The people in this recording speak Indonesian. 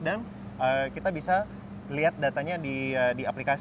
dan kita bisa lihat datanya di aplikasi